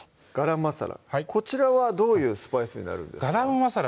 こちらはどういうスパイスになるんですか？